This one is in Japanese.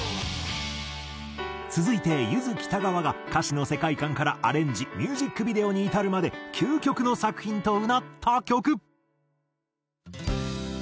続いてゆず北川が歌詞の世界観からアレンジミュージックビデオに至るまで究極の作品とうなった曲。